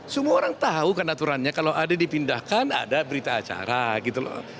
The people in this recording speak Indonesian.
semua orang tahu kan aturannya kalau ada dipindahkan ada berita acara gitu loh